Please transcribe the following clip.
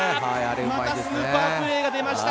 またスーパープレーが出ました。